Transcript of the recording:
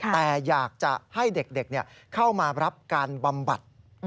แต่อยากจะให้เด็กเข้ามารับการบำบัด